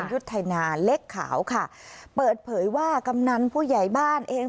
ยุทธนาเล็กขาวค่ะเปิดเผยว่ากำนันผู้ใหญ่บ้านเอง